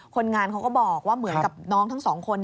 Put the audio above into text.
คนงานเขาก็บอกว่าเหมือนกับน้องทั้งสองคน